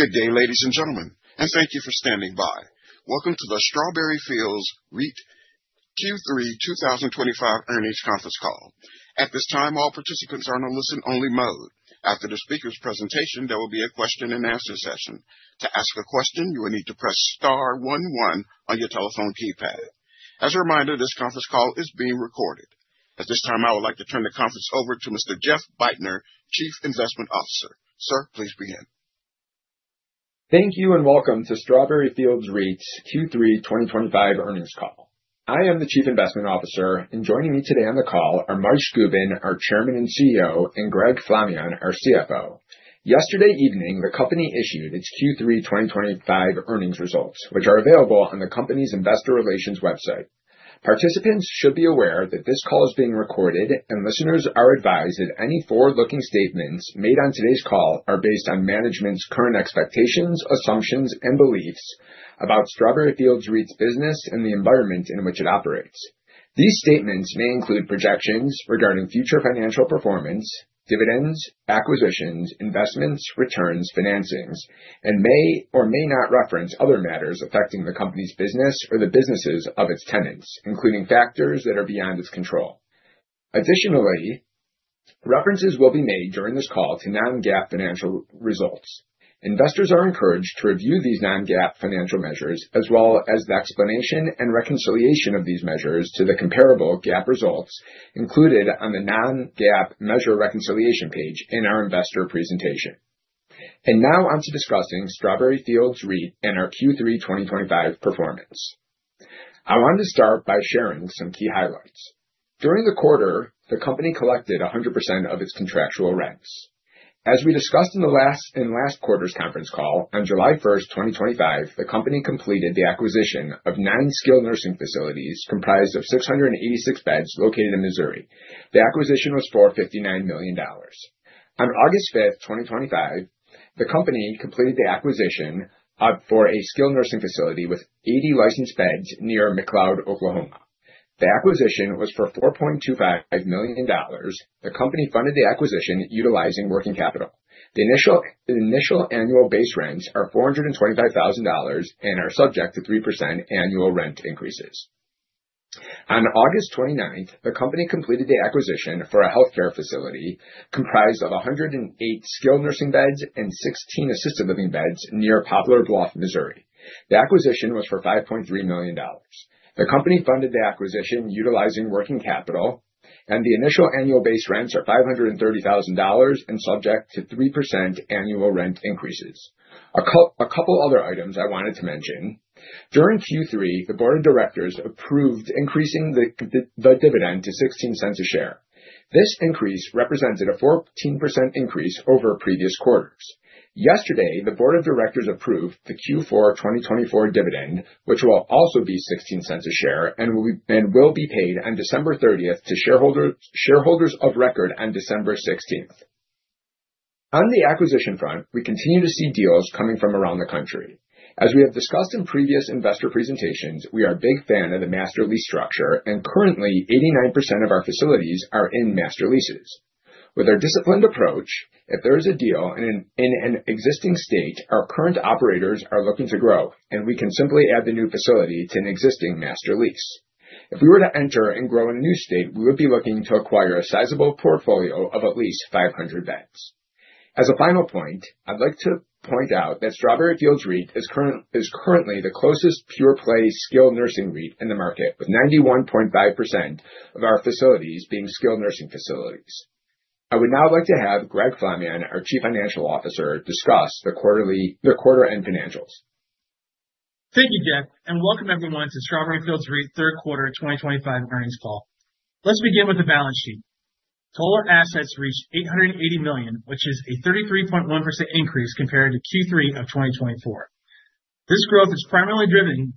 Good day, ladies and gentlemen, and thank you for standing by. Welcome to the Strawberry Fields REIT Q3 2025 Earnings Conference Call. At this time, all participants are in a listen-only mode. After the speaker's presentation, there will be a question and answer session. To ask a question, you will need to press star one one on your telephone keypad. As a reminder, this conference call is being recorded. At this time, I would like to turn the conference over to Mr. Jeffrey Bajtner, Chief Investment Officer. Sir, please begin. Thank you and welcome to Strawberry Fields REIT's Q3 2025 earnings call. I am the Chief Investment Officer, and joining me today on the call are Moishe Gubin, our Chairman and CEO; and Greg Flamion, our CFO. Yesterday evening, the company issued its Q3 2025 earnings results, which are available on the company's investor relations website. Participants should be aware that this call is being recorded, and listeners are advised that any forward-looking statements made on today's call are based on management's current expectations, assumptions, and beliefs about Strawberry Fields REIT's business and the environment in which it operates. These statements may include projections regarding future financial performance, dividends, acquisitions, investments, returns, financings, and may or may not reference other matters affecting the company's business or the businesses of its tenants, including factors that are beyond its control. Additionally, references will be made during this call to non-GAAP financial results. Investors are encouraged to review these non-GAAP financial measures, as well as the explanation and reconciliation of these measures to the comparable GAAP results included on the non-GAAP measure reconciliation page in our investor presentation. Now on to discussing Strawberry Fields REIT and our Q3 2025 performance. I wanted to start by sharing some key highlights. During the quarter, the company collected 100% of its contractual rents. As we discussed in last quarter's conference call, on July 1st, 2025, the company completed the acquisition of nine skilled nursing facilities comprised of 686 beds located in Missouri. The acquisition was for $59 million. On August 5th, 2025, the company completed the acquisition for a skilled nursing facility with 80 licensed beds near McLoud, Oklahoma. The acquisition was for $4.25 million. The company funded the acquisition utilizing working capital. The initial annual base rents are $425,000 and are subject to 3% annual rent increases. On August 29th, the company completed the acquisition for a healthcare facility comprised of 108 skilled nursing beds and 16 assisted living beds near Poplar Bluff, Missouri. The acquisition was for $5.3 million. The company funded the acquisition utilizing working capital, the initial annual base rents are $530,000 and subject to 3% annual rent increases. A couple other items I wanted to mention. During Q3, the board of directors approved increasing the dividend to $0.16 a share. This increase represented a 14% increase over previous quarters. Yesterday, the board of directors approved the Q4 2024 dividend, which will also be $0.16 a share and will be paid on December 30th to shareholders of record on December 16th. On the acquisition front, we continue to see deals coming from around the country. As we have discussed in previous investor presentations, we are a big fan of the master lease structure, and currently 89% of our facilities are in master leases. With our disciplined approach, if there is a deal in an existing state, our current operators are looking to grow, and we can simply add the new facility to an existing master lease. If we were to enter and grow in a new state, we would be looking to acquire a sizable portfolio of at least 500 beds. As a final point, I'd like to point out that Strawberry Fields REIT is currently the closest pure-play skilled nursing REIT in the market, with 91.5% of our facilities being skilled nursing facilities. I would now like to have Greg Flamion, our chief financial officer, discuss the quarter-end financials. Thank you, Jeff, welcome everyone to Strawberry Fields REIT's third quarter 2025 earnings call. Let's begin with the balance sheet. Total assets reached $880 million, which is a 33.1% increase compared to Q3 of 2024. This growth is primarily driven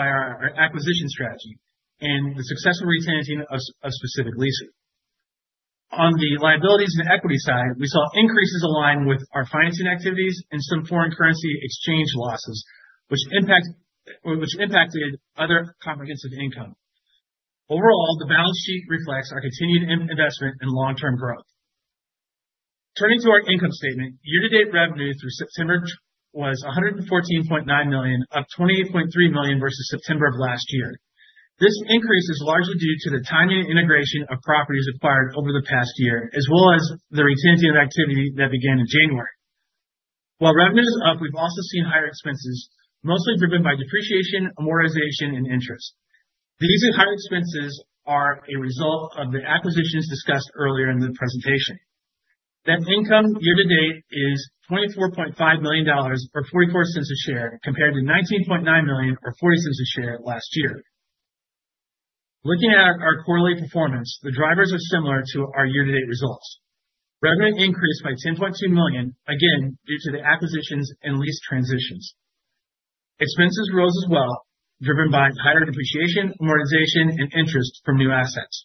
by our acquisition strategy and the successful re-tenanting of specific leases. On the liabilities and equity side, we saw increases align with our financing activities and some foreign currency exchange losses, which impacted other comprehensive income. Overall, the balance sheet reflects our continued investment in long-term growth. Turning to our income statement. Year-to-date revenue through September was $114.9 million, up $28.3 million versus September of last year. This increase is largely due to the timing and integration of properties acquired over the past year, as well as the re-tenanting activity that began in January. While revenue is up, we've also seen higher expenses, mostly driven by depreciation, amortization, and interest. These higher expenses are a result of the acquisitions discussed earlier in the presentation. Net income year to date is $24.5 million, or $0.44 a share, compared to $19.9 million or $0.40 a share last year. Looking at our quarterly performance, the drivers are similar to our year-to-date results. Revenue increased by $10.2 million, again, due to the acquisitions and lease transitions. Expenses rose as well, driven by higher depreciation, amortization, and interest from new assets.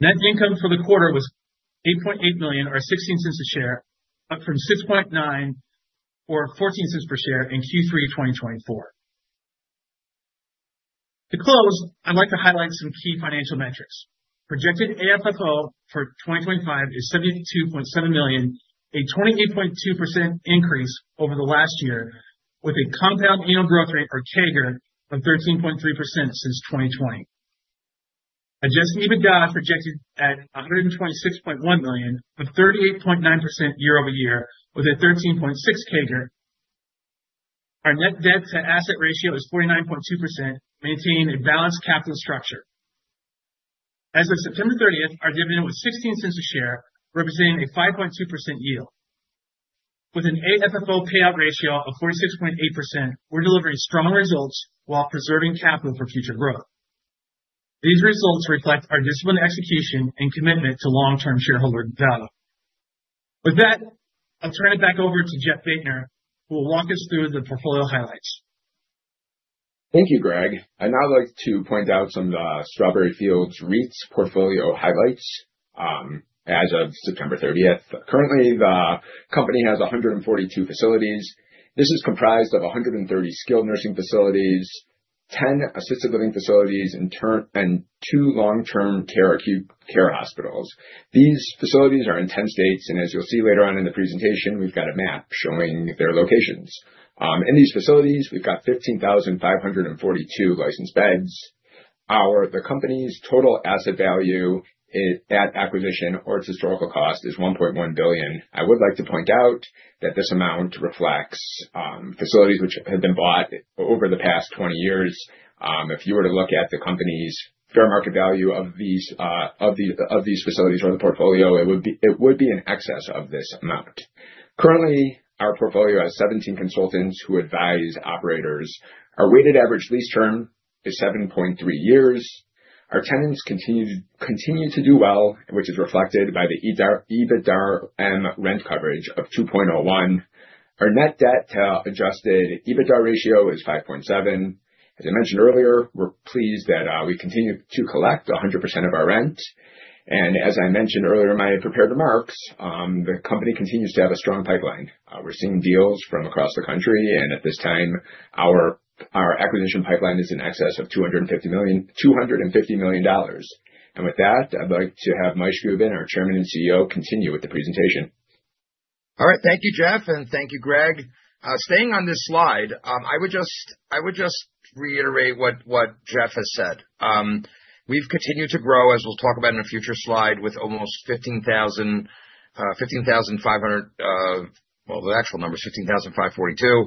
Net income for the quarter was $8.8 million, or $0.16 a share, up from $6.9 or $0.14 per share in Q3 2024. To close, I'd like to highlight some key financial metrics. Projected AFFO for 2025 is $72.7 million, a 28.2% increase over the last year with a compound annual growth rate, or CAGR, of 13.3% since 2020. Adjusted EBITDA projected at $126.1 million with 38.9% year-over-year with a 13.6 CAGR. Our net debt to asset ratio is 49.2%, maintaining a balanced capital structure. As of September 30th, our dividend was $0.16 a share, representing a 5.2% yield. With an AFFO payout ratio of 46.8%, we're delivering strong results while preserving capital for future growth. These results reflect our disciplined execution and commitment to long-term shareholder value. With that, I'll turn it back over to Jeffrey Bajtner, who will walk us through the portfolio highlights. Thank you, Greg. I'd now like to point out some of the Strawberry Fields REIT's portfolio highlights, as of September 30th. Currently, the company has 142 facilities. This is comprised of 130 skilled nursing facilities, 10 assisted living facilities, and two long-term care acute care hospitals. These facilities are in 10 states, and as you'll see later on in the presentation, we've got a map showing their locations. In these facilities, we've got 15,542 licensed beds. The company's total asset value at acquisition or its historical cost is $1.1 billion. I would like to point out that this amount reflects facilities which have been bought over the past 20 years. If you were to look at the company's fair market value of these facilities or the portfolio, it would be in excess of this amount. Currently, our portfolio has 17 consultants who advise operators. Our weighted average lease term is 7.3 years. Our tenants continue to do well, which is reflected by the EBITDA and rent coverage of 2.01. Our net debt to adjusted EBITDA ratio is 5.7. As I mentioned earlier, we're pleased that we continue to collect 100% of our rent. As I mentioned earlier in my prepared remarks, the company continues to have a strong pipeline. We're seeing deals from across the country, and at this time, our acquisition pipeline is in excess of $250 million. With that, I'd like to have Moishe Gubin, our Chairman and CEO, continue with the presentation. All right. Thank you, Jeff, and thank you, Greg. Staying on this slide, I would just reiterate what Jeff has said. We've continued to grow, as we'll talk about in a future slide, with almost 15,500. The actual number is 15,542.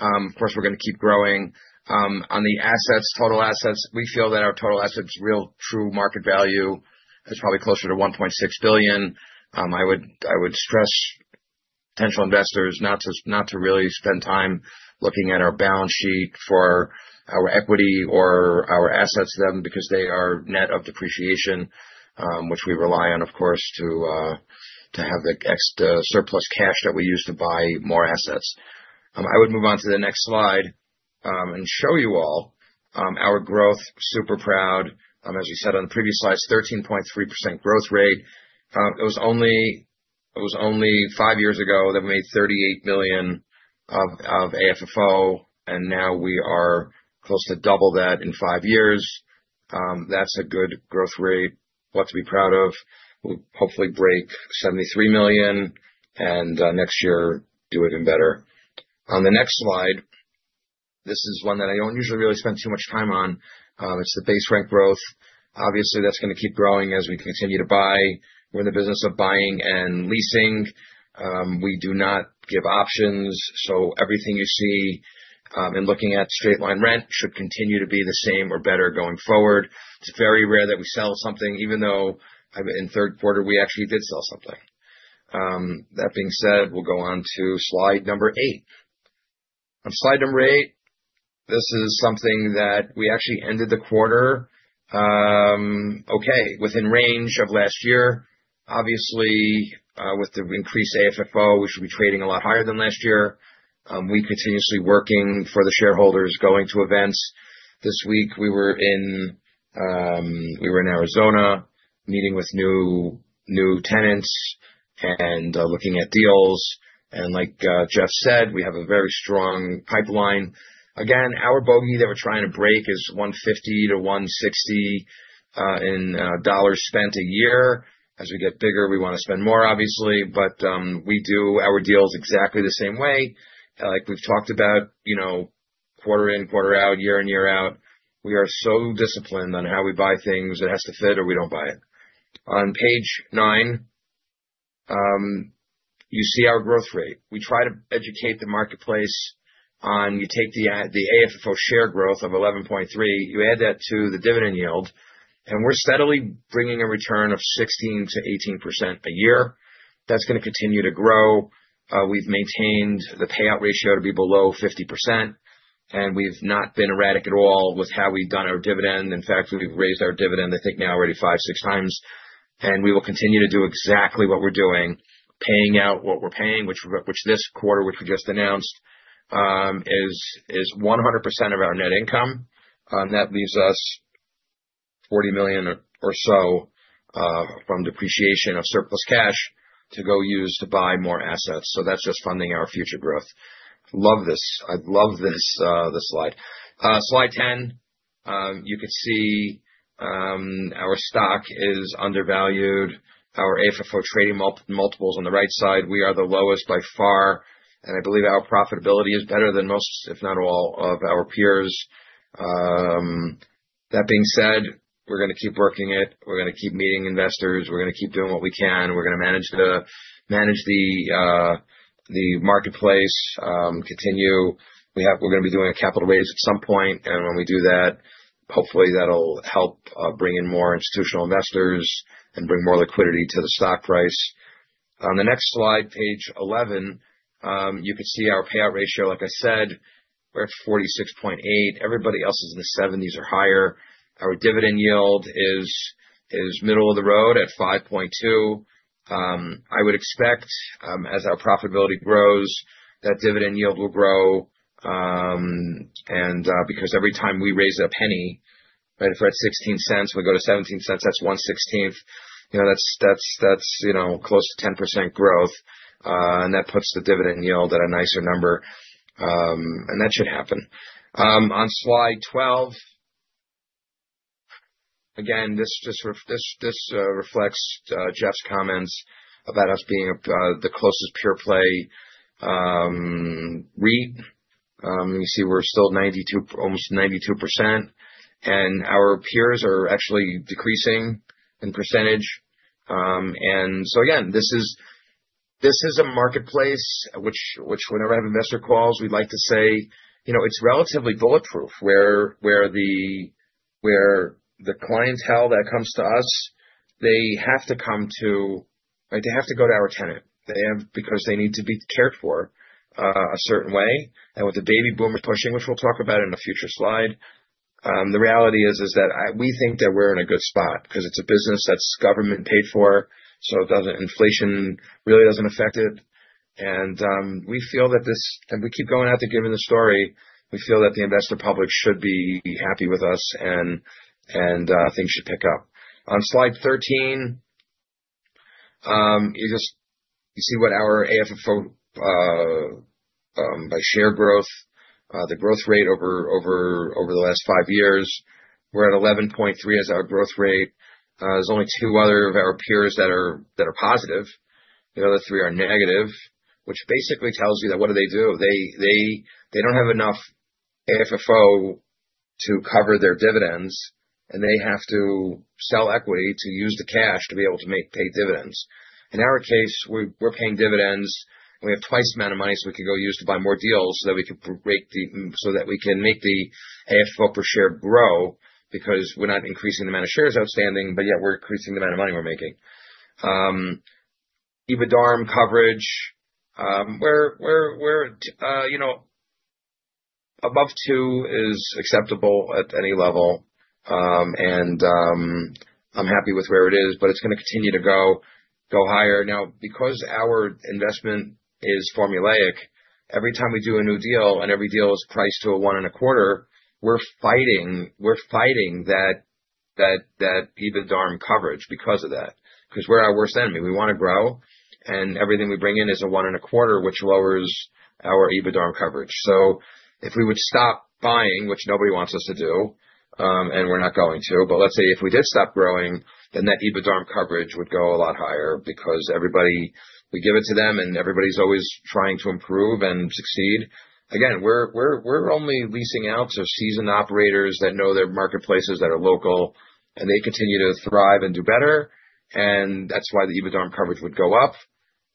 Of course, we're going to keep growing. On the assets, total assets, we feel that our total assets' real true market value is probably closer to $1.6 billion. I would stress potential investors not to really spend time looking at our balance sheet for our equity or our assets then, because they are net of depreciation which we rely on, of course, to have the surplus cash that we use to buy more assets. I would move on to the next slide and show you all our growth. Super proud. As we said on the previous slides, 13.3% growth rate. It was only five years ago that we made $38 million of AFFO, and now we are close to double that in five years. That's a good growth rate. Lot to be proud of. We'll hopefully break $73 million and next year, do even better. On the next slide, this is one that I don't usually really spend too much time on. It's the base rent growth. Obviously, that's going to keep growing as we continue to buy. We're in the business of buying and leasing. We do not give options, so everything you see in looking at straight-line rent should continue to be the same or better going forward. It's very rare that we sell something, even though in the third quarter, we actually did sell something. That being said, we'll go on to slide number eight. On slide number eight, this is something that we actually ended the quarter okay, within range of last year. Obviously, with the increased AFFO, we should be trading a lot higher than last year. We continuously working for the shareholders, going to events. This week, we were in Arizona meeting with new tenants and looking at deals. Like Jeff said, we have a very strong pipeline. Again, our bogey that we're trying to break is $150 to $160 million spent a year. As we get bigger, we want to spend more obviously, but we do our deals exactly the same way. Like we've talked about, quarter in, quarter out, year in, year out. We are so disciplined on how we buy things. It has to fit or we don't buy it. On page nine, you see our growth rate. We try to educate the marketplace on, you take the AFFO share growth of 11.3, you add that to the dividend yield, and we're steadily bringing a return of 16%-18% a year. That's going to continue to grow. We've maintained the payout ratio to be below 50%, and we've not been erratic at all with how we've done our dividend. In fact, we've raised our dividend, I think now already five, six times. We will continue to do exactly what we're doing, paying out what we're paying, which this quarter, which we just announced, is 100% of our net income. That leaves us $40 million or so from depreciation of surplus cash to go use to buy more assets. That's just funding our future growth. Love this. I love this slide. Slide 10, you can see our stock is undervalued. Our AFFO trading multiples on the right side, we are the lowest by far, and I believe our profitability is better than most, if not all, of our peers. That being said, we're going to keep working it. We're going to keep meeting investors. We're going to keep doing what we can. We're going to manage the marketplace, continue. We're going to be doing a capital raise at some point, when we do that, hopefully, that'll help bring in more institutional investors and bring more liquidity to the stock price. On the next slide, page 11, you could see our payout ratio, like I said, we're at 46.8%. Everybody else is in the 70s% or higher. Our dividend yield is middle of the road at 5.2%. I would expect, as our profitability grows, that dividend yield will grow. Because every time we raise a penny, if we're at $0.16, we go to $0.17, that's 1/16. That's close to 10% growth. That puts the dividend yield at a nicer number. That should happen. On slide 12, again, this reflects Jeff's comments about us being the closest pure-play REIT. You see we're still almost 92%, and our peers are actually decreasing in percentage. Again, this is a marketplace which whenever I have investor calls, we like to say it's relatively bulletproof, where the clientele that comes to us, they have to go to our tenant. They need to be cared for a certain way. With the baby boomer pushing, which we'll talk about in a future slide. The reality is that we think that we're in a good spot because it's a business that's government paid for, so inflation really doesn't affect it. We feel that this, and we keep going out there giving the story, we feel that the investor public should be happy with us and things should pick up. On slide 13, you see what our AFFO by share growth, the growth rate over the last five years, we're at 11.3 as our growth rate. There's only two other of our peers that are positive. The other three are negative, which basically tells you that what do they do? They don't have enough AFFO to cover their dividends, and they have to sell equity to use the cash to be able to pay dividends. In our case, we're paying dividends, and we have twice the amount of money, so we could go use to buy more deals so that we can make the AFFO per share grow because we're not increasing the amount of shares outstanding, but yet we're increasing the amount of money we're making. EBITDARM coverage, above two is acceptable at any level. I'm happy with where it is, but it's going to continue to go higher. Because our investment is formulaic, every time we do a new deal, and every deal is priced to a one and a quarter, we're fighting that EBITDARM coverage because of that. Because we're our worst enemy. We want to grow, and everything we bring in is a one and a quarter, which lowers our EBITDARM coverage. If we would stop buying, which nobody wants us to do, and we're not going to, but let's say if we did stop growing, then that EBITDARM coverage would go a lot higher because everybody, we give it to them, and everybody's always trying to improve and succeed. Again, we're only leasing out to seasoned operators that know their marketplaces that are local, and they continue to thrive and do better, and that's why the EBITDARM coverage would go up.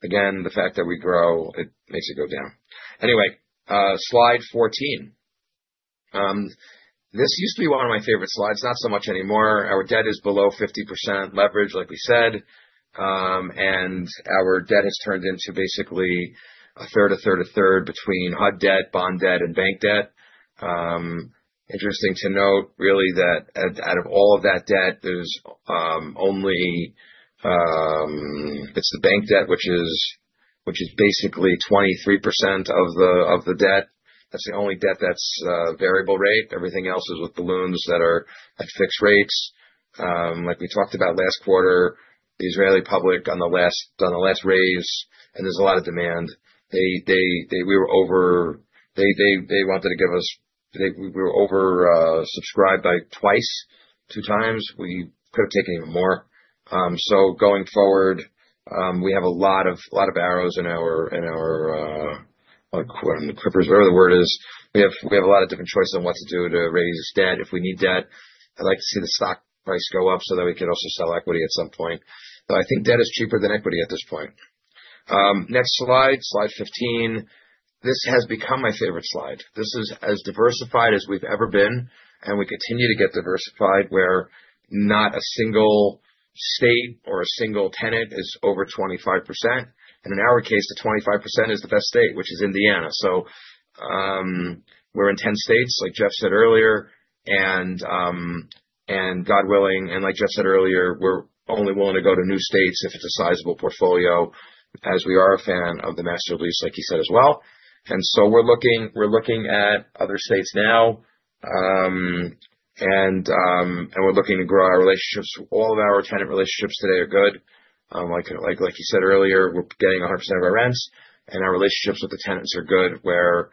Again, the fact that we grow, it makes it go down. Slide 14. This used to be one of my favorite slides, not so much anymore. Our debt is below 50% leverage, like we said. Our debt has turned into basically a third, a third, a third between HUD debt, bond debt, and bank debt. Interesting to note, really, that out of all of that debt, it's the bank debt, which is basically 23% of the debt. That's the only debt that's variable rate. Everything else is with balloons that are at fixed rates. Like we talked about last quarter, the Israeli public on the last raise, and there's a lot of demand. We were oversubscribed by twice, two times. We could have taken even more. Going forward, we have a lot of arrows in our equipment, clippers, whatever the word is. We have a lot of different choices on what to do to raise debt if we need debt. I'd like to see the stock price go up so that we can also sell equity at some point. I think debt is cheaper than equity at this point. Next slide 15. This has become my favorite slide. This is as diversified as we've ever been. We continue to get diversified, where not a single state or a single tenant is over 25%. In our case, the 25% is the best state, which is Indiana. We're in 10 states, like Jeff said earlier. God willing, like Jeff said earlier, we're only willing to go to new states if it's a sizable portfolio, as we are a fan of the master lease, like he said, as well. We're looking at other states now, and we're looking to grow our relationships. All of our tenant relationships today are good. Like you said earlier, we're getting 100% of our rents, and our relationships with the tenants are good, where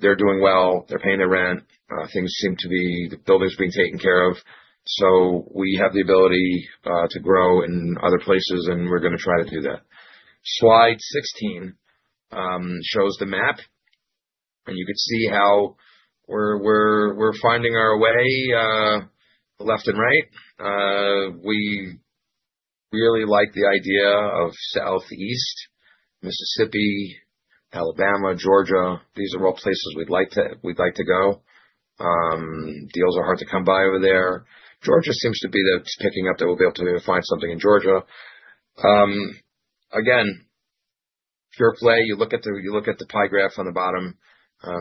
they're doing well, they're paying their rent, the building's being taken care of. We have the ability to grow in other places, and we're going to try to do that. Slide 16 shows the map, and you could see how we're finding our way left and right. We really like the idea of Southeast, Mississippi, Alabama, Georgia. These are all places we'd like to go. Deals are hard to come by over there. Georgia seems to be that's picking up, that we'll be able to find something in Georgia. Again, fair play, you look at the pie graph on the bottom,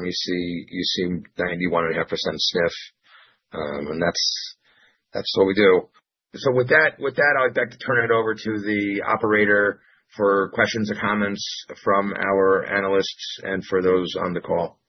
you see 91.5% SNF. That's what we do. With that, I'd like to turn it over to the operator for questions or comments from our analysts and for those on the call.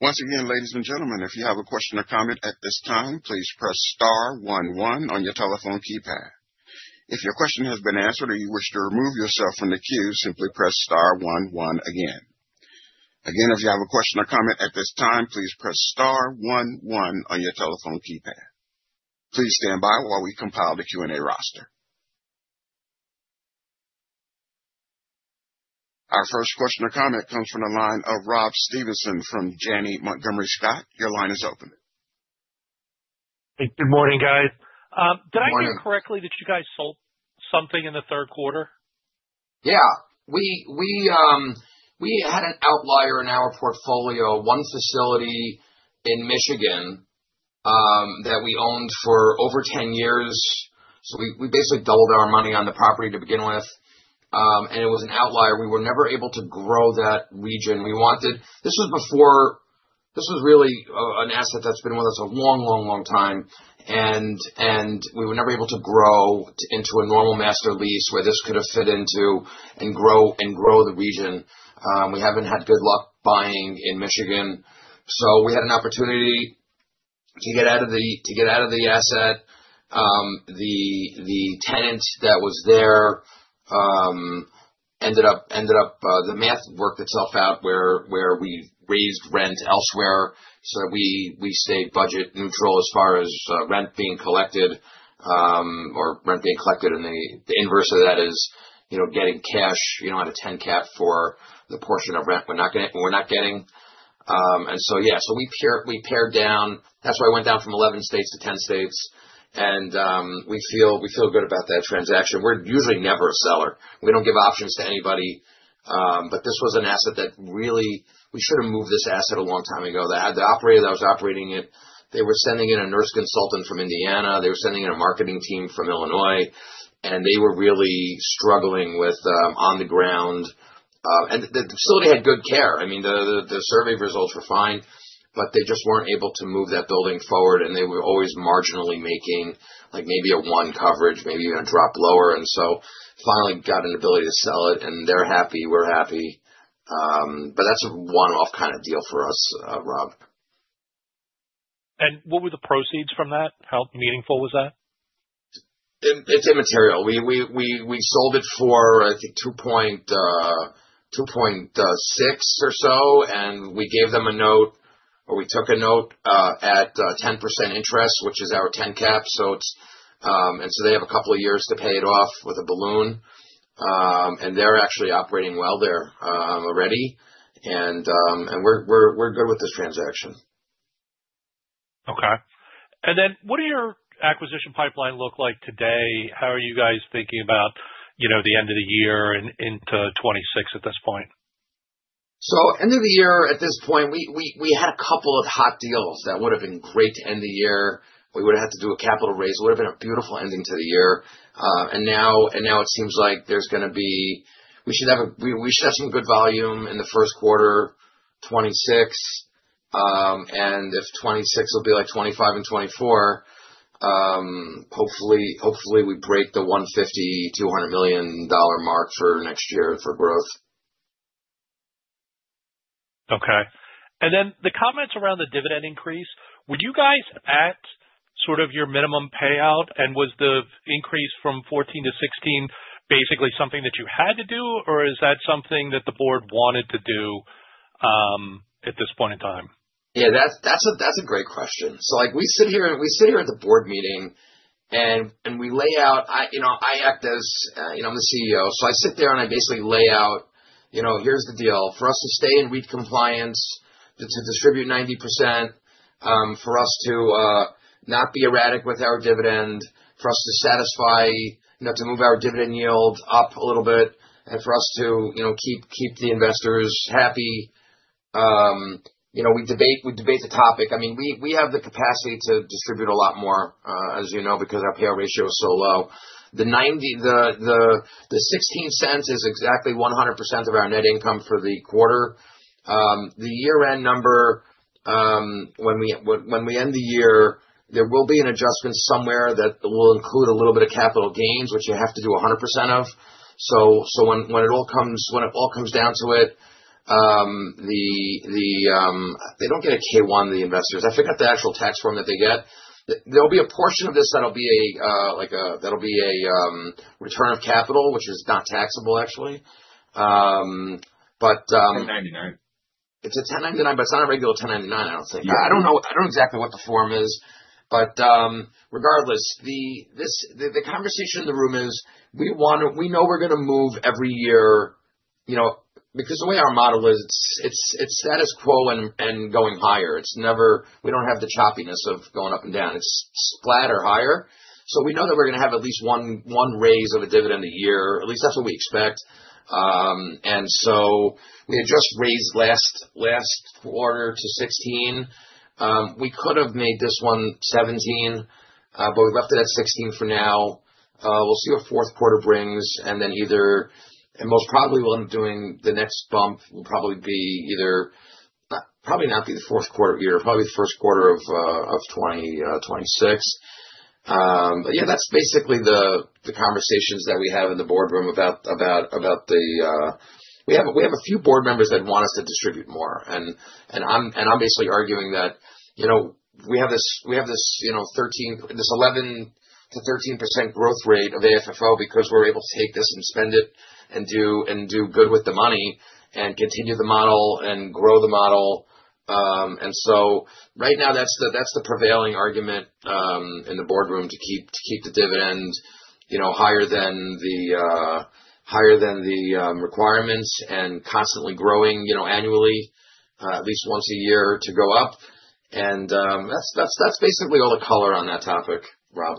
Once again, ladies and gentlemen, if you have a question or comment at this time, please press star 11 on your telephone keypad. If your question has been answered or you wish to remove yourself from the queue, simply press star 11 again. Again, if you have a question or comment at this time, please press star 11 on your telephone keypad. Please stand by while we compile the Q&A roster. Our first question or comment comes from the line of Robert Stevenson from Janney Montgomery Scott. Your line is open. Good morning, guys. Good morning. Did I hear correctly that you guys sold something in the third quarter? Yeah. We had an outlier in our portfolio, one facility in Michigan, that we owned for over 10 years. We basically doubled our money on the property to begin with. It was an outlier. We were never able to grow that region. This was really an asset that's been with us a long time. We were never able to grow into a normal master lease where this could have fit into and grow the region. We haven't had good luck buying in Michigan, we had an opportunity to get out of the asset. The tenant that was there, the math worked itself out where we raised rent elsewhere, we stayed budget neutral as far as rent being collected, or rent being collected and the inverse of that is getting cash on a 10 cap for the portion of rent we're not getting. Yeah, we pared down. That's why we went down from 11 states to 10 states. We feel good about that transaction. We're usually never a seller. We don't give options to anybody. This was an asset that really, we should've moved this asset a long time ago. The operator that was operating it, they were sending in a nurse consultant from Indiana. They were sending in a marketing team from Illinois, and they were really struggling with on the ground. The facility had good care. The survey results were fine, they just weren't able to move that building forward, and they were always marginally making maybe a one coverage, maybe even a drop lower. Finally got an ability to sell it, they're happy, we're happy. That's a one-off kind of deal for us, Rob. What were the proceeds from that? How meaningful was that? It's immaterial. We sold it for, I think, $2.6 or so, and we gave them a note, or we took a note, at 10% interest, which is our 10 cap. They have a couple of years to pay it off with a balloon. They're actually operating well there already. We're good with this transaction. Okay. What do your acquisition pipeline look like today? How are you guys thinking about the end of the year and into 2026 at this point? End of the year at this point, we had a couple of hot deals that would've been great to end the year. We would've had to do a capital raise. It would've been a beautiful ending to the year. Now it seems like we should have some good volume in the first quarter 2026. If 2026 will be like 2025 and 2024, hopefully, we break the $150 million-$200 million mark for next year for growth. Okay. Then the comments around the dividend increase, were you guys at sort of your minimum payout? Was the increase from $0.14 to $0.16 basically something that you had to do, or is that something that the board wanted to do, at this point in time? Yeah, that's a great question. Like we sit here at the board meeting and we lay out, I'm the CEO, I sit there and I basically lay out, here's the deal. For us to stay in REIT compliance, to distribute 90%, for us to not be erratic with our dividend, for us to satisfy, to move our dividend yield up a little bit, and for us to keep the investors happy. We debate the topic. We have the capacity to distribute a lot more, as you know, because our payout ratio is so low. The $0.16 is exactly 100% of our net income for the quarter. The year-end number, when we end the year, there will be an adjustment somewhere that will include a little bit of capital gains, which you have to do 100% of. When it all comes down to it, they don't get a K-1, the investors. I forget the actual tax form that they get. There'll be a portion of this that'll be a return of capital, which is not taxable, actually. 1099. It's a 1099, it's not a regular 1099, I don't think. I don't know exactly what the form is. Regardless, the conversation in the room is, we know we're going to move every year, because the way our model is, it's status quo and going higher. We don't have the choppiness of going up and down. It's flat or higher. We know that we're going to have at least one raise of a dividend a year. At least that's what we expect. We had just raised last quarter to $0.16. We could have made this one $0.17, we've left it at $0.16 for now. We'll see what fourth quarter brings, and then most probably what I'm doing the next bump will probably not be the fourth quarter of the year, probably the first quarter of 2026. Yeah, that's basically the conversations that we have in the boardroom about We have a few board members that want us to distribute more, and I'm basically arguing that, we have this 11%-13% growth rate of AFFO because we're able to take this and spend it and do good with the money and continue the model and grow the model. Right now, that's the prevailing argument in the boardroom to keep the dividend higher than the requirements and constantly growing annually, at least once a year to go up. That's basically all the color on that topic, Rob.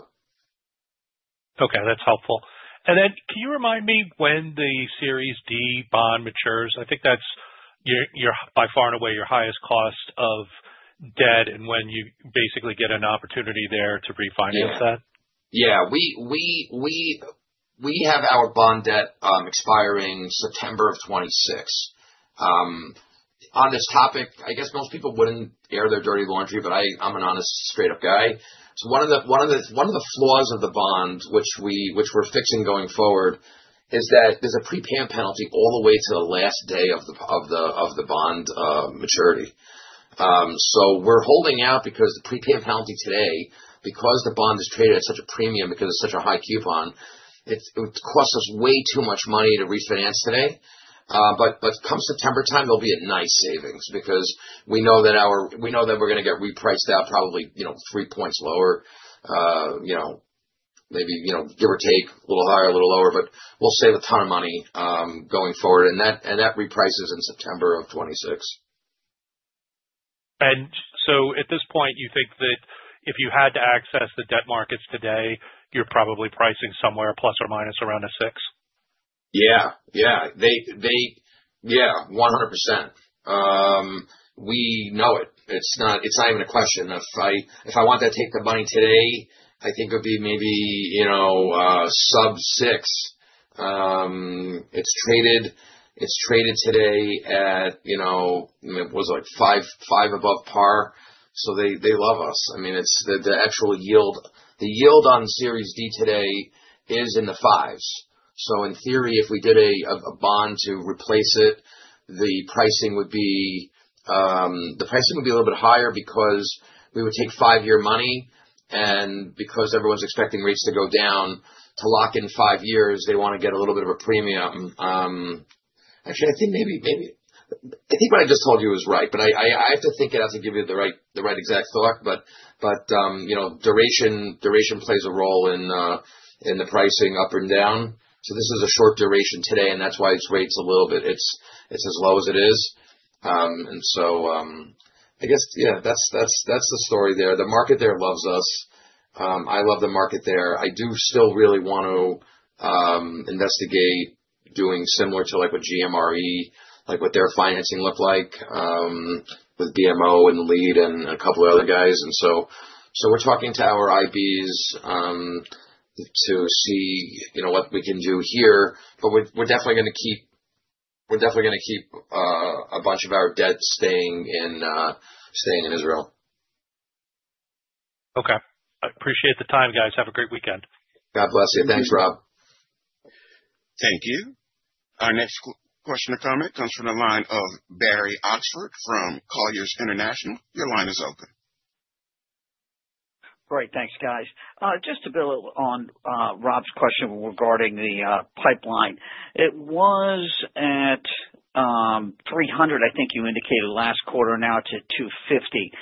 Okay, that's helpful. Then can you remind me when the Series D bond matures? I think that's by far and away your highest cost of debt and when you basically get an opportunity there to refinance that. Yeah. We have our bond debt expiring September of 2026. On this topic, I guess most people wouldn't air their dirty laundry, but I'm an honest, straight-up guy. One of the flaws of the bond, which we're fixing going forward, is that there's a prepayment penalty all the way to the last day of the bond maturity. We're holding out because the prepayment penalty today, because the bond is traded at such a premium, because it's such a high coupon, it would cost us way too much money to refinance today. Come September time, there'll be a nice savings because we know that we're going to get repriced out probably 3 points lower, maybe give or take a little higher, a little lower, but we'll save a ton of money, going forward. That reprices in September of 2026. At this point, you think that if you had to access the debt markets today, you're probably pricing somewhere plus or minus around a six? Yeah. 100%. We know it. It's not even a question. If I want to take the money today, I think it would be maybe sub 6. It's traded today at, it was like 5 above par. They love us. I mean, the actual yield, the yield on Series D today is in the 5s. In theory, if we did a bond to replace it, the pricing would be a little bit higher because we would take 5-year money, and because everyone's expecting rates to go down, to lock in 5 years, they want to get a little bit of a premium. Actually, I think what I just told you is right, but I have to think it out to give you the right exact thought. Duration plays a role in the pricing up or down. This is a short duration today, and that's why its rate's as low as it is. I guess, yeah, that's the story there. The market there loves us. I love the market there. I do still really want to investigate doing similar to what GMRE, like what their financing looked like, with BMO as the lead and a couple of other guys. We're talking to our IBs, to see what we can do here. We're definitely going to keep a bunch of our debt staying in Israel. Okay. I appreciate the time, guys. Have a great weekend. God bless you. Thanks, Rob. Thank you. Our next question or comment comes from the line of Barry Oxford from Colliers Securities. Your line is open. Great. Thanks, guys. Just to build on Rob's question regarding the pipeline. It was at 300, I think you indicated last quarter, now to 250.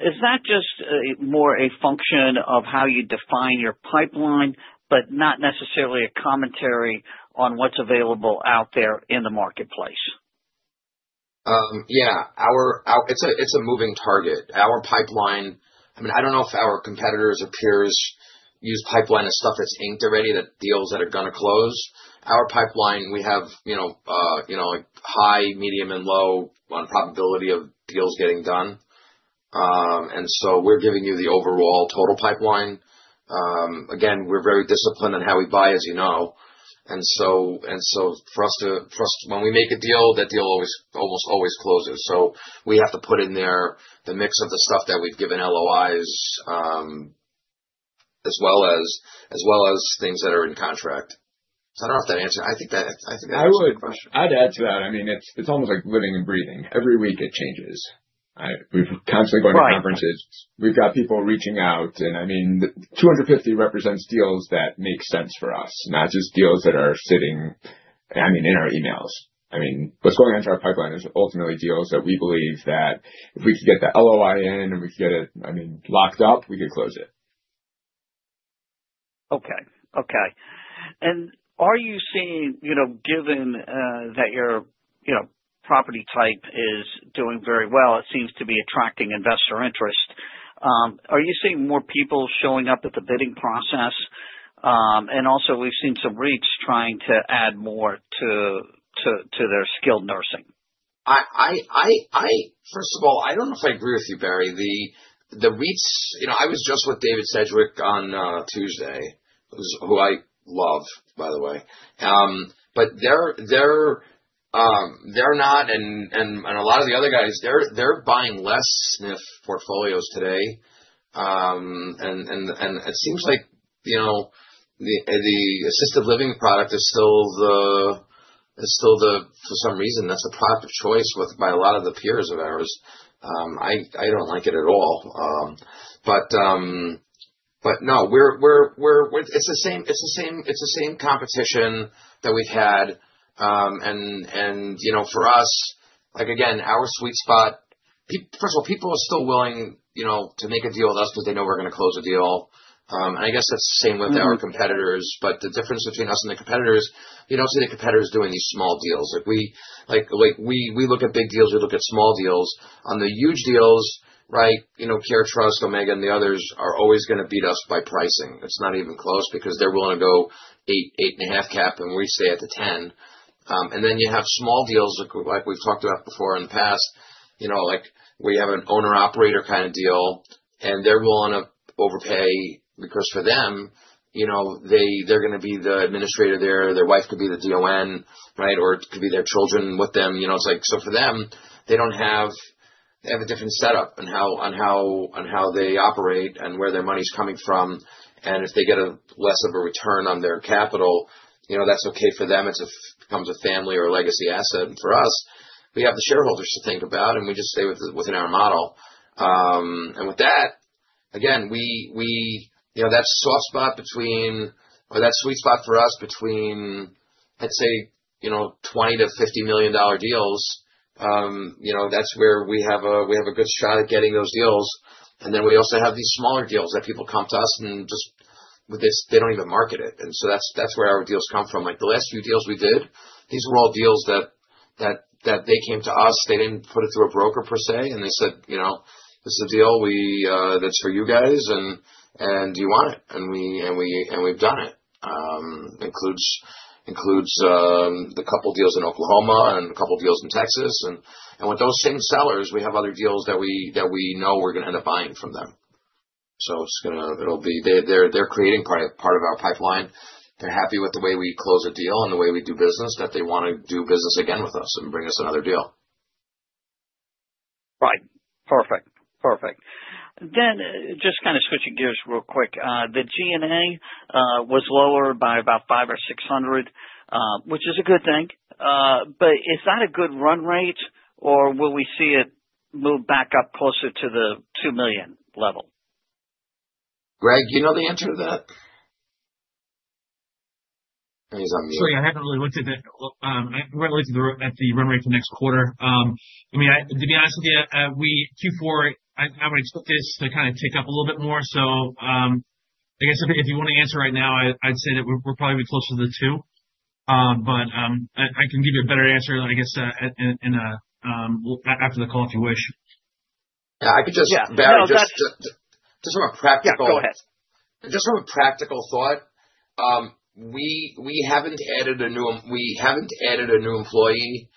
Is that just more a function of how you define your pipeline, but not necessarily a commentary on what's available out there in the marketplace? Yeah. It's a moving target. I don't know if our competitors or peers use pipeline as stuff that's inked already, the deals that are going to close. Our pipeline, we have, high, medium, and low on probability of deals getting done. We're giving you the overall total pipeline. Again, we're very disciplined in how we buy, as you know. When we make a deal, that deal almost always closes. We have to put in there the mix of the stuff that we've given LOIs, as well as things that are in contract. I don't know if that answers. I think that answers the question. I'd add to that. It's almost like living and breathing. Every week it changes, right? We're constantly going to conferences. We've got people reaching out, 250 represents deals that make sense for us, not just deals that are sitting in our emails. What's going into our pipeline is ultimately deals that we believe that if we could get the LOI in and we could get it locked up, we could close it. Okay. Are you seeing, given that your property type is doing very well, it seems to be attracting investor interest? Are you seeing more people showing up at the bidding process? Also we've seen some REITs trying to add more to their skilled nursing. First of all, I don't know if I agree with you, Barry. The REITs, I was just with David Sedgwick on Tuesday, who I love, by the way. They're not, and a lot of the other guys, they're buying less SNF portfolios today. It seems like, the assisted living product is still, for some reason, that's the product of choice by a lot of the peers of ours. I don't like it at all. No, it's the same competition that we've had. For us, again, our sweet spot-- first of all, people are still willing to make a deal with us because they know we're going to close a deal. I guess that's the same with our competitors. The difference between us and the competitors, you don't see the competitors doing these small deals. We look at big deals, we look at small deals. On the huge deals CareTrust, Omega, and the others are always going to beat us by pricing. It's not even close because they're willing to go eight and a half cap, and we stay at the 10. You have small deals, like we've talked about before in the past, where you have an owner/operator kind of deal, and they're willing to overpay because for them, they're going to be the administrator there. Their wife could be the DON. It could be their children with them. For them, they have a different setup on how they operate and where their money's coming from. If they get a less of a return on their capital, that's okay for them. It becomes a family or a legacy asset. For us, we have the shareholders to think about, and we just stay within our model. With that, again, that sweet spot for us between, let's say, $20 million-$50 million deals, that's where we have a good shot at getting those deals. We also have these smaller deals that people come to us and just they don't even market it. That's where our deals come from. The last few deals we did, these were all deals that they came to us, they didn't put it through a broker per se, and they said, "This is a deal that's for you guys, and do you want it?" We've done it. Includes the couple deals in Oklahoma and a couple deals in Texas. With those same sellers, we have other deals that we know we're going to end up buying from them. They're creating part of our pipeline. They're happy with the way we close a deal and the way we do business that they want to do business again with us and bring us another deal. Right. Perfect. Just kind of switching gears real quick. The G&A was lower by about $5 or $600, which is a good thing. Is that a good run rate, or will we see it move back up closer to the $2 million level? Greg, do you know the answer to that? He's on mute. Sorry, I haven't really looked at the run rate for next quarter. To be honest with you, Q4, I would expect this to kind of tick up a little bit more. I guess if you want me to answer right now, I'd say that we'll probably be closer to the $2 million. I can give you a better answer, I guess, after the call, if you wish. Yeah, I could. Yeah. No. Just from a. Yeah, go ahead. Just from a practical thought, we haven't added a new employee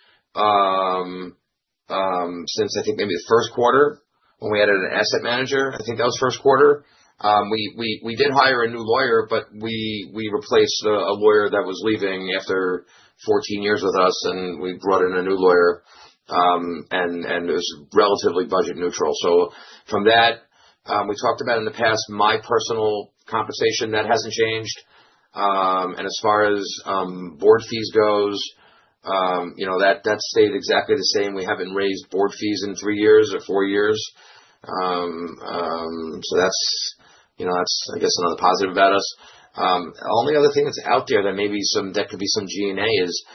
since I think maybe the first quarter when we added an asset manager. I think that was first quarter. We did hire a new lawyer, but we replaced a lawyer that was leaving after 14 years with us, and we brought in a new lawyer, and it was relatively budget neutral. From that, we talked about in the past my personal compensation, that hasn't changed. As far as board fees goes, that stayed exactly the same. We haven't raised board fees in three years or four years. That's, I guess, another positive about us. Only other thing that's out there that could be some G&A is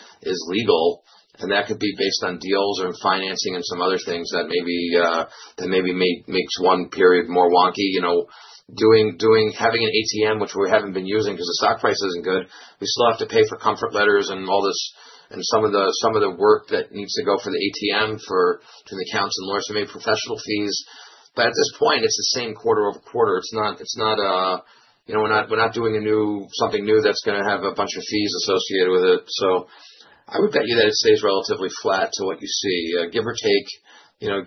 legal, and that could be based on deals and financing and some other things that maybe makes one period more wonky. Having an ATM, which we haven't been using because the stock price isn't good, we still have to pay for comfort letters and all this, and some of the work that needs to go for the ATM to the counsel and lawyers who made professional fees. At this point, it's the same quarter-over-quarter. We're not doing something new that's going to have a bunch of fees associated with it. I would bet you that it stays relatively flat to what you see, give or take.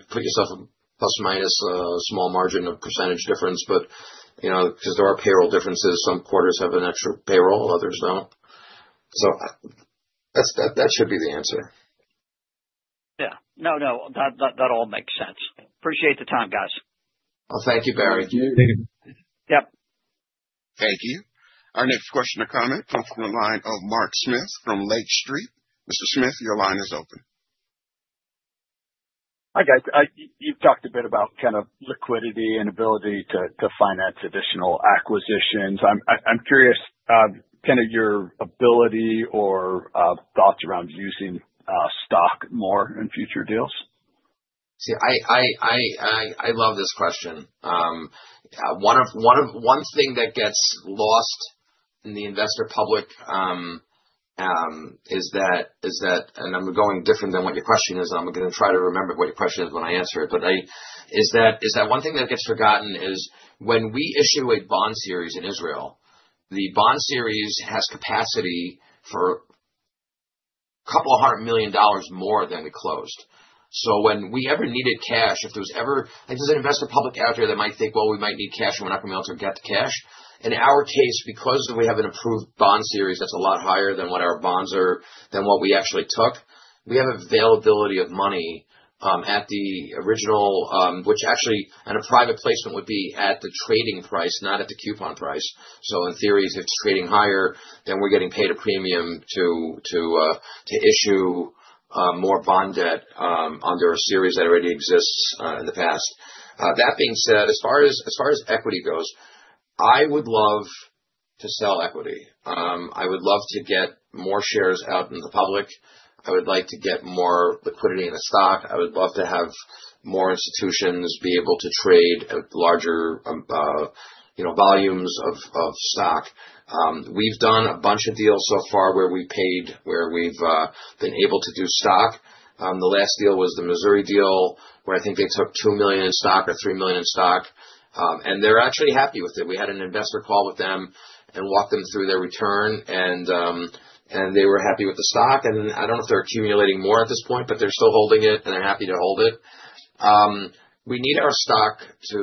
Put yourself a plus or minus a small margin of percentage difference, but because there are payroll differences, some quarters have an extra payroll, others don't. That should be the answer. Yeah. No, that all makes sense. Appreciate the time, guys. Well, thank you, Barry. Yep. Thank you. Our next question or comment comes from the line of Mark Smith from Lake Street. Mr. Smith, your line is open. Hi, guys. You've talked a bit about liquidity and ability to finance additional acquisitions. I'm curious, your ability or thoughts around using stock more in future deals. I love this question. One thing that gets lost in the investor public is that, and I'm going different than what your question is, and I'm going to try to remember what your question is when I answer it, but one thing that gets forgotten is when we issue a bond series in Israel, the bond series has capacity for a couple of hundred million dollars more than it closed. When we ever needed cash, if there's an investor public out there that might think, "Well, we might need cash, and we're not going to be able to get the cash." In our case, because we have an approved bond series that's a lot higher than what we actually took, we have availability of money at the original, which actually on a private placement would be at the trading price, not at the coupon price. In theory, if it's trading higher, then we're getting paid a premium to issue more bond debt under a series that already exists in the past. That being said, as far as equity goes, I would love to sell equity. I would love to get more shares out in the public. I would like to get more liquidity in the stock. I would love to have more institutions be able to trade at larger volumes of stock. We've done a bunch of deals so far where we've been able to do stock. The last deal was the Missouri deal, where I think they took $2 million in stock or $3 million in stock, and they're actually happy with it. We had an investor call with them and walk them through their return, and they were happy with the stock. I don't know if they're accumulating more at this point, but they're still holding it, and they're happy to hold it. We need our stock to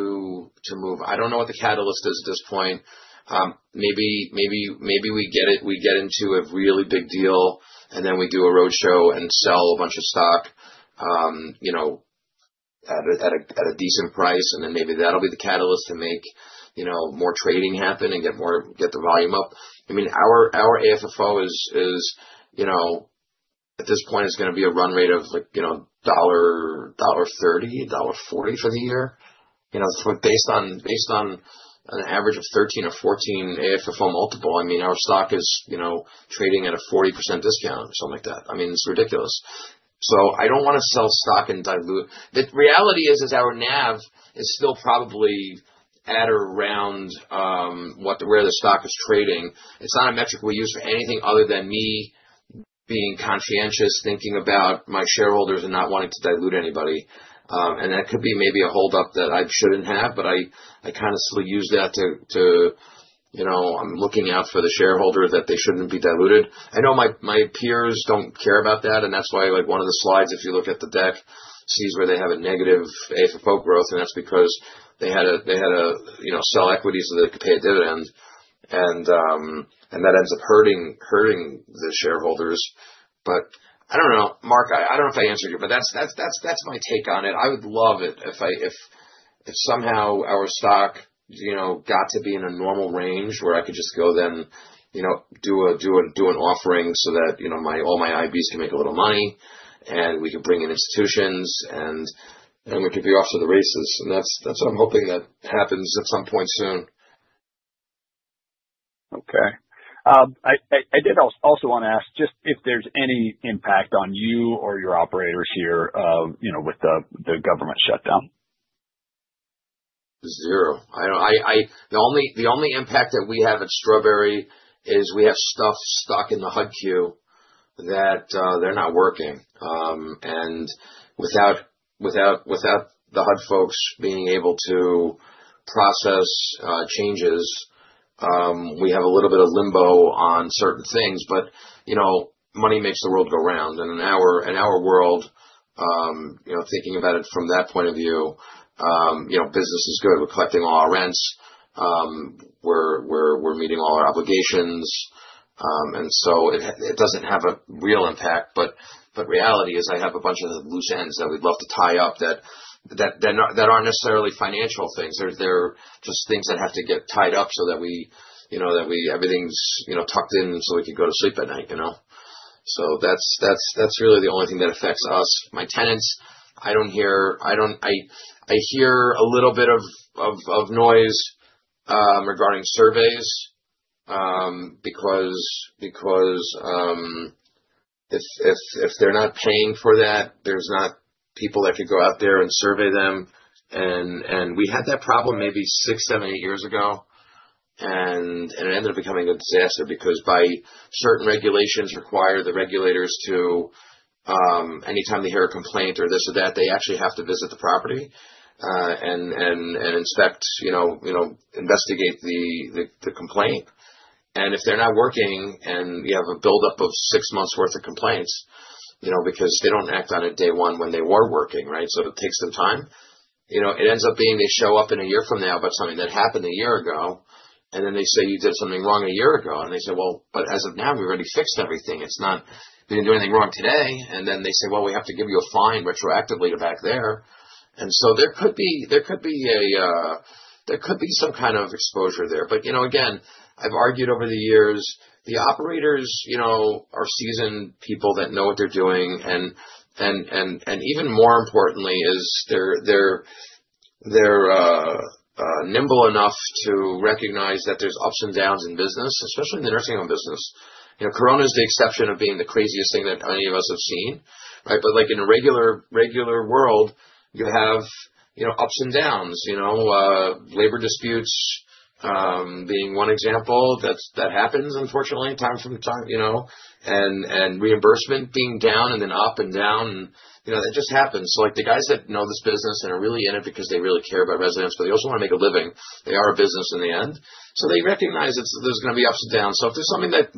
move. I don't know what the catalyst is at this point. Maybe we get into a really big deal, and then we do a roadshow and sell a bunch of stock at a decent price, and then maybe that'll be the catalyst to make more trading happen and get the volume up. Our AFFO, at this point, is going to be a run rate of $1.30, $1.40 for the year. Based on an average of 13 or 14 AFFO multiple, our stock is trading at a 40% discount or something like that. It's ridiculous. I don't want to sell stock and dilute. The reality is our NAV is still probably at around where the stock is trading. It's not a metric we use for anything other than me being conscientious, thinking about my shareholders and not wanting to dilute anybody. That could be maybe a holdup that I shouldn't have, but I kind of still use that. I'm looking out for the shareholder that they shouldn't be diluted. I know my peers don't care about that, and that's why one of the slides, if you look at the deck, sees where they have a negative AFFO growth, and that's because they had to sell equities so they could pay a dividend, and that ends up hurting the shareholders. I don't know, Mark, I don't know if I answered you, but that's my take on it. I would love it if somehow our stock got to be in a normal range where I could just go then do an offering so that all my IBs can make a little money, and we can bring in institutions, and we can be off to the races. That's what I'm hoping that happens at some point soon. Okay. I did also want to ask just if there's any impact on you or your operators here with the government shutdown. Zero. The only impact that we have at Strawberry is we have stuff stuck in the HUD queue that they're not working. Without the HUD folks being able to process changes, we have a little bit of limbo on certain things. Money makes the world go round. In our world, thinking about it from that point of view, business is good. We're collecting all our rents. We're meeting all our obligations. It doesn't have a real impact, but reality is I have a bunch of loose ends that we'd love to tie up that aren't necessarily financial things. They're just things that have to get tied up so that everything's tucked in so we can go to sleep at night. That's really the only thing that affects us. My tenants, I hear a little bit of noise regarding surveys, because if they're not paying for that, there's not people that could go out there and survey them. We had that problem maybe six, seven, eight years ago, and it ended up becoming a disaster because certain regulations require the regulators to, anytime they hear a complaint or this or that, they actually have to visit the property, and investigate the complaint. If they're not working and you have a buildup of six months worth of complaints, because they don't act on it day one when they were working, right? It takes some time. It ends up being they show up in a year from now about something that happened a year ago, and then they say, "You did something wrong a year ago." They say, "Well, as of now, we've already fixed everything. We didn't do anything wrong today." Then they say, "Well, we have to give you a fine retroactively to back there." There could be some kind of exposure there. Again, I've argued over the years, the operators are seasoned people that know what they're doing, and even more importantly is they're nimble enough to recognize that there's ups and downs in business, especially in the nursing home business. Corona is the exception of being the craziest thing that any of us have seen. In a regular world, you have ups and downs. Labor disputes being one example that happens unfortunately time to time. Reimbursement being down and then up and down. That just happens. The guys that know this business and are really in it because they really care about residents, but they also want to make a living. They are a business in the end. They recognize there's going to be ups and downs. If there's something that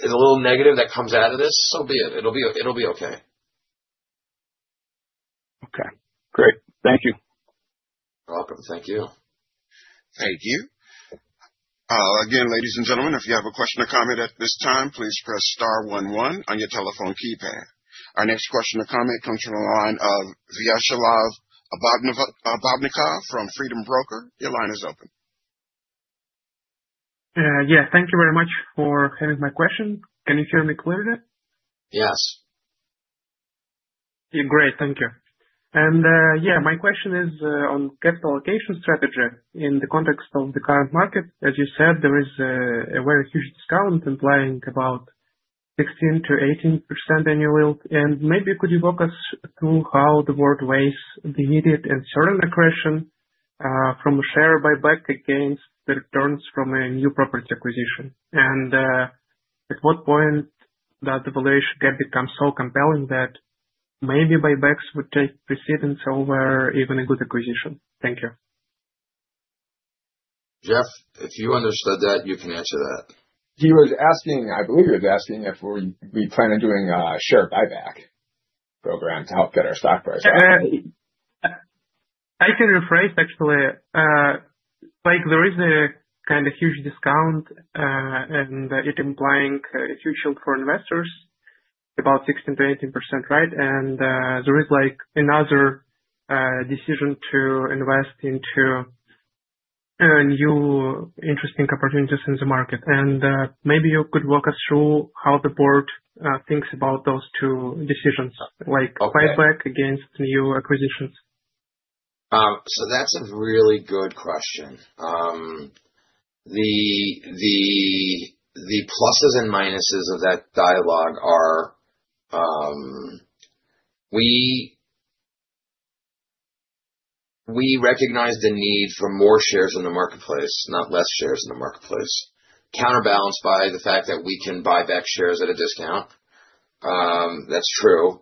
is a little negative that comes out of this, so be it. It'll be okay. Okay, great. Thank you. You're welcome. Thank you. Thank you. Again, ladies and gentlemen, if you have a question or comment at this time, please press star 11 on your telephone keypad. Our next question or comment comes from the line of Viacheslav Obodnikov from Freedom Broker. Your line is open. Yeah. Thank you very much for having my question. Can you hear me clearly? Yes. Great. Thank you. Yeah, my question is on capital allocation strategy in the context of the current market. As you said, there is a very huge discount implying about 16%-18% annual yield. Maybe could you walk us through how the board weighs the immediate and certain accretion from a share buyback against the returns from a new property acquisition? At what point that the valuation can become so compelling that maybe buybacks would take precedence over even a good acquisition? Thank you. Jeff, if you understood that, you can answer that. I believe he was asking if we plan on doing a share buyback program to help get our stock price up. I can rephrase, actually. There is a kind of huge discount, and it implying a huge yield for investors about 16%-18%, right? There is another decision to invest into new interesting opportunities in the market. Maybe you could walk us through how the board thinks about those two decisions. Okay. Buyback against new acquisitions. That's a really good question. The pluses and minuses of that dialogue are, we recognize the need for more shares in the marketplace, not less shares in the marketplace, counterbalanced by the fact that we can buy back shares at a discount. That's true.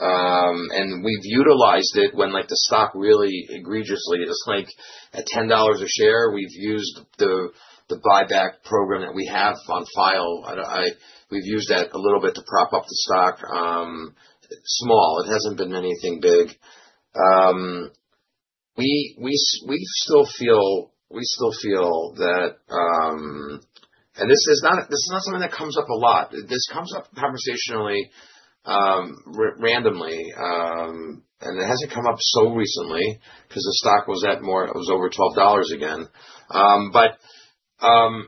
We've utilized it when the stock really egregiously, it's like at $10 a share, we've used the buyback program that we have on file. We've used that a little bit to prop up the stock. Small. It hasn't been anything big. We still feel that This is not something that comes up a lot. This comes up conversationally randomly. It hasn't come up so recently because the stock was over $12 again. Our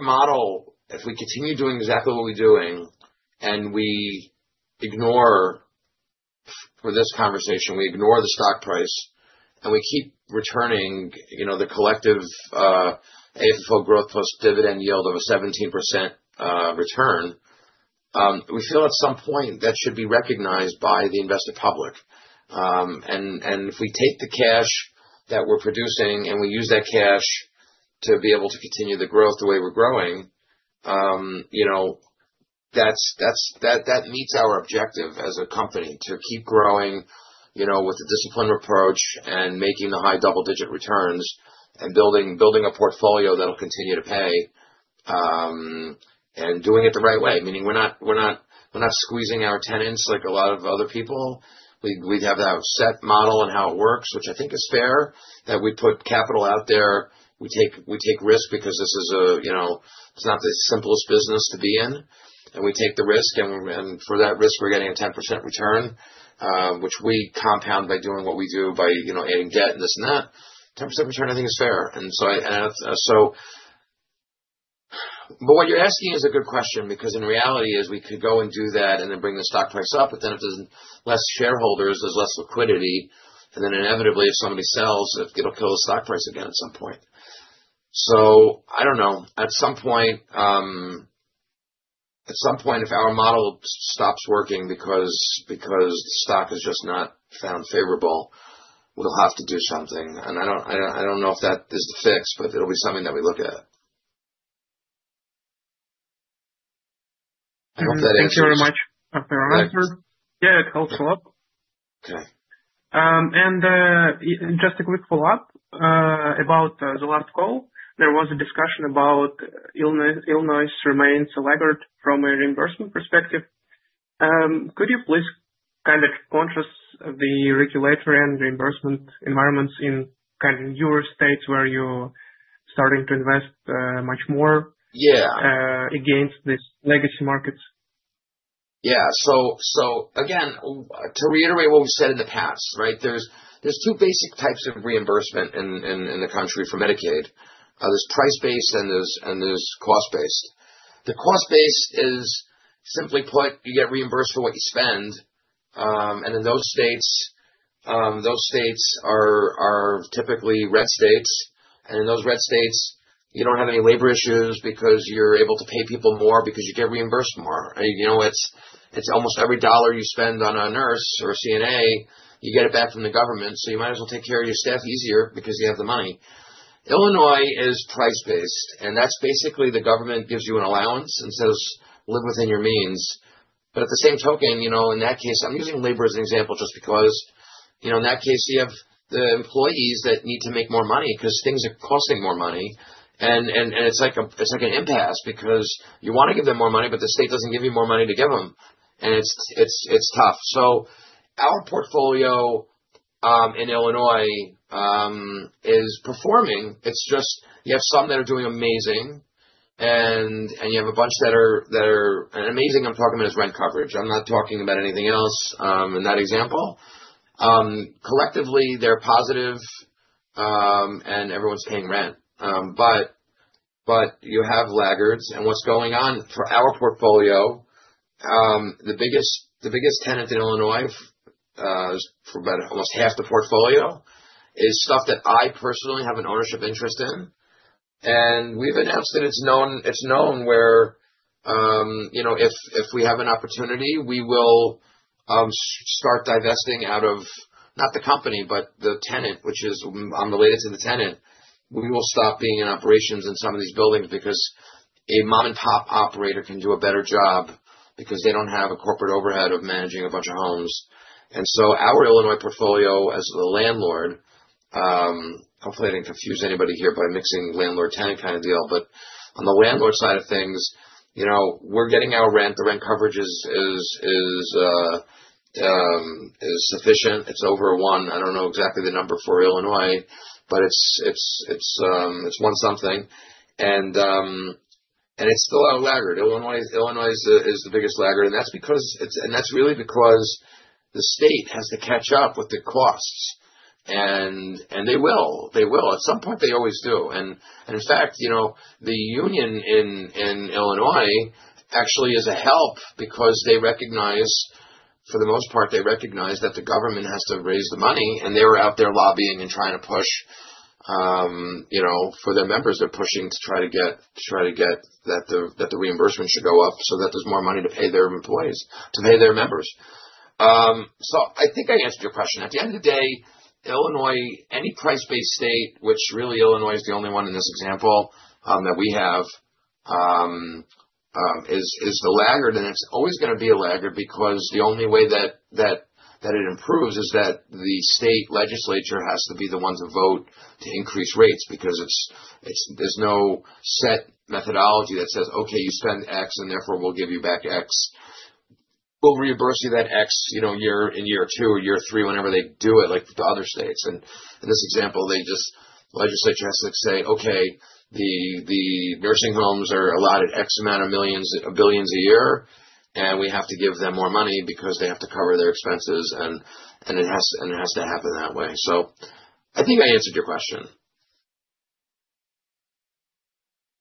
model, if we continue doing exactly what we're doing, for this conversation, we ignore the stock price, we keep returning the collective AFFO growth plus dividend yield of a 17% return, we feel at some point that should be recognized by the invested public. If we take the cash that we're producing we use that cash to be able to continue the growth the way we're growing, that meets our objective as a company to keep growing with a disciplined approach making the high double-digit returns building a portfolio that'll continue to pay, doing it the right way. Meaning we're not squeezing our tenants like a lot of other people. We have that set model on how it works, which I think is fair, that we put capital out there. We take risk because this is not the simplest business to be in. We take the risk, for that risk, we're getting a 10% return, which we compound by doing what we do by adding debt and this and that. 10% return, I think is fair. What you're asking is a good question, because in reality is we could go and do that bring the stock price up. If there's less shareholders, there's less liquidity, inevitably, if somebody sells, it'll kill the stock price again at some point. I don't know. At some point, if our model stops working because the stock is just not found favorable, we'll have to do something. I don't know if that is the fix, but it'll be something that we look at. I hope that answers. Thank you very much. All right. Yeah. It helps a lot. Okay. Just a quick follow-up about the last call. There was a discussion about Illinois remains a laggard from a reimbursement perspective. Could you please kind of contrast the regulatory and reimbursement environments in kind of newer states where you're starting to invest much more? Yeah against these legacy markets? Yeah. Again, to reiterate what we've said in the past, right? There's two basic types of reimbursement in the country for Medicaid. There's price-based and there's cost-based. The cost-based is simply put, you get reimbursed for what you spend. In those states, those states are typically red states. In those red states, you don't have any labor issues because you're able to pay people more because you get reimbursed more. It's almost every dollar you spend on a nurse or a CNA, you get it back from the government, so you might as well take care of your staff easier because you have the money. Illinois is price-based, and that's basically the government gives you an allowance and says, "Live within your means." At the same token, in that case, I'm using labor as an example just because, in that case, you have the employees that need to make more money because things are costing more money, and it's like an impasse because you want to give them more money, but the state doesn't give you more money to give them. It's tough. Our portfolio in Illinois is performing. It's just, you have some that are doing amazing, and you have a bunch that are amazing, I'm talking about is rent coverage. I'm not talking about anything else in that example. Collectively, they're positive, and everyone's paying rent. You have laggards and what's going on for our portfolio, the biggest tenant in Illinois for about almost half the portfolio is stuff that I personally have an ownership interest in. We've announced that it's known where if we have an opportunity, we will start divesting out of, not the company, but the tenant, which is I'm the latest in the tenant. We will stop being in operations in some of these buildings because a mom-and-pop operator can do a better job because they don't have a corporate overhead of managing a bunch of homes. Our Illinois portfolio as the landlord, hopefully I didn't confuse anybody here by mixing landlord, tenant kind of deal, but on the landlord side of things, we're getting our rent. The rent coverage is sufficient. It's over one. I don't know exactly the number for Illinois, but it's one something. It's still a laggard. Illinois is the biggest laggard. That's really because the state has to catch up with the costs. They will. At some point, they always do. In fact, the union in Illinois actually is a help because they recognize, for the most part, they recognize that the government has to raise the money. They were out there lobbying and trying to push. For their members, they're pushing to try to get that the reimbursement should go up so that there's more money to pay their employees, to pay their members. I think I answered your question. At the end of the day, Illinois, any price-based state, which really Illinois is the only one in this example that we have, is the laggard. It's always gonna be a laggard because the only way that it improves is that the state legislature has to be the ones who vote to increase rates because there's no set methodology that says, "Okay, you spend X, and therefore we'll give you back X." We'll reimburse you that X in year two or year three, whenever they do it, like the other states. In this example, the legislature has to say, "Okay, the nursing homes are allotted X amount of billions a year. We have to give them more money because they have to cover their expenses." It has to happen that way. I think I answered your question.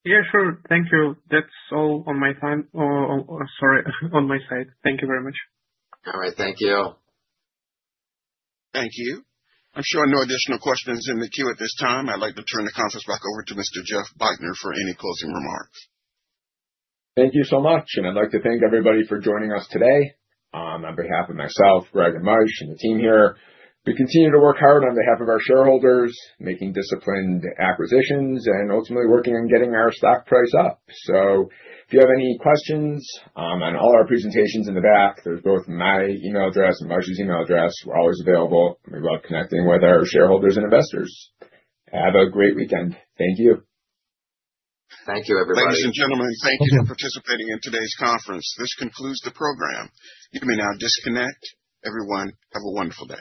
Yeah, sure. Thank you. That's all on my time. Sorry, on my side. Thank you very much. All right. Thank you. Thank you. I'm showing no additional questions in the queue at this time. I'd like to turn the conference back over to Mr. Jeff Bajtner for any closing remarks. I'd like to thank everybody for joining us today. On behalf of myself, Greg and Moishe, and the team here, we continue to work hard on behalf of our shareholders, making disciplined acquisitions and ultimately working on getting our stock price up. If you have any questions on all our presentations in the back, there's both my email address and Moishe's email address. We're always available. We love connecting with our shareholders and investors. Have a great weekend. Thank you. Thank you, everybody. Ladies and gentlemen, thank you for participating in today's conference. This concludes the program. You may now disconnect. Everyone, have a wonderful day.